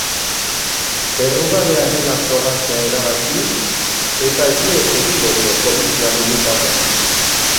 Errugabea dela frogatzea erabaki, eta ihes egingo dio polizia militarrari.